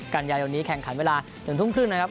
กันใหญ่วันนี้แข่งขันเวลาถึงทุ่มครึ่งนะครับ